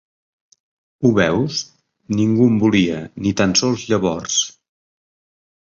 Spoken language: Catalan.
Ho veus? ningú em volia, ni tan sols llavors.